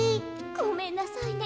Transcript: ごめんなさいね。